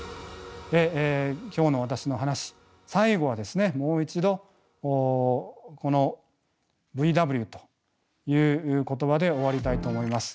で今日の私の話最後はですねもう一度このＶＷという言葉で終わりたいと思います。